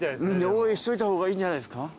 「おい！」しといた方がいいんじゃないですか？